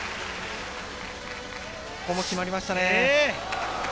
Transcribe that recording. ここも決まりましたね。